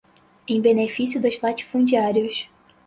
em benefício dos latifundiários